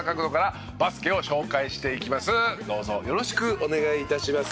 どうぞよろしくお願い致します。